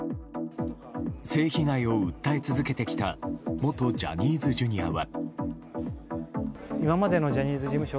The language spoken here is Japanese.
性被害を訴え続けてきた元ジャニーズＪｒ．は。